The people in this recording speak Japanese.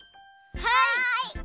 はい！